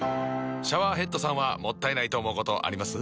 シャワーヘッドさんはもったいないと思うことあります？